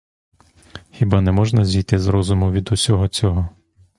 Хіба не можна зійти з розуму від усього цього?